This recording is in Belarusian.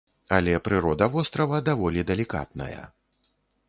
Але прырода вострава даволі далікатная.